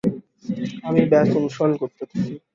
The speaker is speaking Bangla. আমি ব্যস অনুসরণ করতে থাকি।